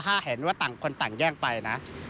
ถ้าเห็นว่าต่างคนต่างแย่งไปนะ